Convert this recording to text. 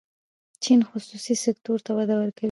چین خصوصي سکتور ته وده ورکوي.